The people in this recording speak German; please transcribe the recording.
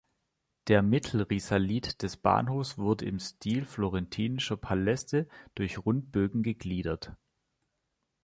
Der Mittelrisalit des Bahnhofs wurde im Stil florentinischer Paläste durch Rundbögen gegliedert.